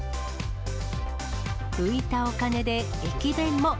浮いたお金で駅弁も。